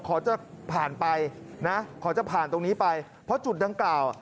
ขอจะผ่านไปนะขอจะผ่านตรงนี้ไปเพราะจุดดังกล่าวอ่ะ